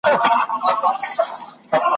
بل به څوک وي پر دنیا تر ما ښاغلی `